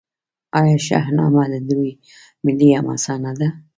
آیا شاهنامه د دوی ملي حماسه نه ده؟